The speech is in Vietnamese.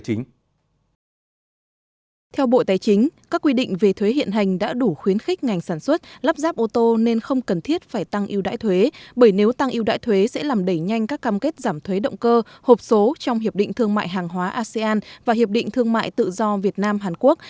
chương trình yêu đải thuế sẽ làm đẩy nhanh các cam kết giảm thuế động cơ hộp số trong hiệp định thương mại hàng hóa asean và hiệp định thương mại tự do việt nam hàn quốc